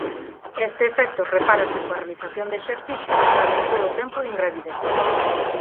Este efecto repárase coa realización de exercicio durante todo o tempo de ingravidez.